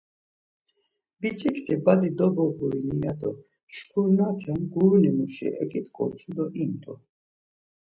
Biç̌ikti Badi doboğurini ya do şkurnate guruni muşi eǩit̆ǩoçu do imt̆u.